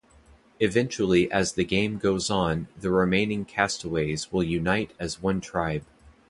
Eventually as the game goes on the remaining castaways will unite as one tribe.